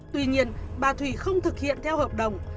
tuy nhiên bà thủy không thực hiện theo hợp đồng